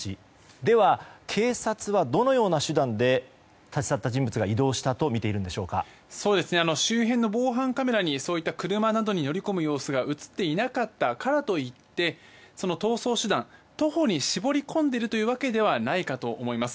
では、警察はどのような手段で立ち去った人物が移動したと防犯カメラにそういった車などに乗り込む様子が映っていなかったからといってその逃走手段徒歩に絞り込んでいるわけではないかと思います。